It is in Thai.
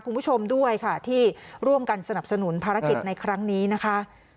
คุณผู้ชมด้วยค่ะที่ร่วมกันสนับสนุนภารกิจในครั้งนี้นะคะ